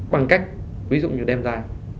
bằng cách ví dụ như đem ra